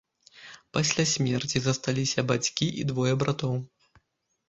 Пасля смерці засталіся бацькі і двое братоў.